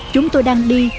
chúng tôi đang đi